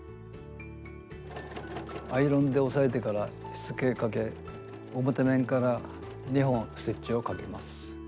アイロンで押さえてからしつけをかけ表面から２本ステッチをかけます。